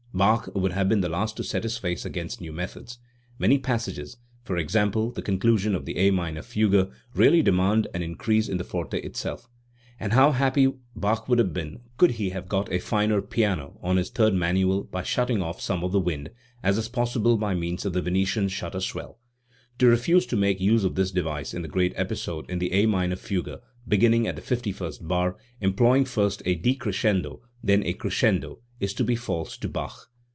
Bach would have been the last to set his face against new methods. Many passages e, g. the con clusion of the A minor fugue really demand an increase in the forte itself. And how happy Bach would have been could he have got a finer piano on his third manual by shutting off some of the wind, as is possible by means of the Venetian shutter swell! To refuse to make use of this device in the great episode in the A minor fugue beginning at the fifty first bar, employing first a decrescendo, then a crescendo, is to be false to Bach.